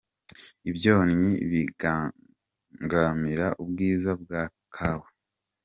Ibyonnyi bibangamira ubwiza bwa Kawa